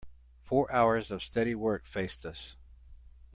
Four hours of steady work faced us.